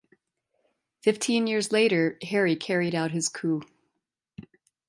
Fifteen years later, Harry carried out his coup.